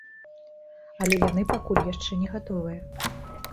Але яны пакуль яшчэ не гатовыя.